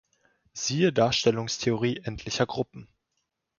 Siehe Darstellungstheorie endlicher Gruppen.